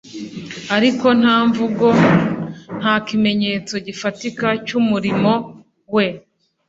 ariko nta mvugo nta kimenyetso gifatika cy'umurimo we.